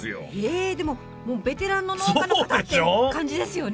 えでももうベテランの農家の方って感じですよね！